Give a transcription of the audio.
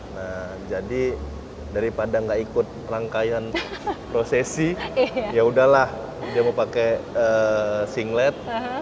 nah jadi daripada nggak ikut rangkaian prosesi yaudahlah dia mau pakai singlet